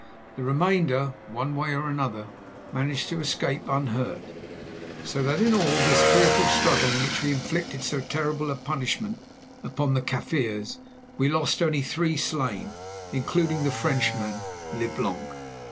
The remainder, one way or another, managed to escape unhurt, so that in all this fearful struggle, in which we inflicted so terrible a punishment upon the Kaffirs, we lost only three slain, including the Frenchman, Leblanc.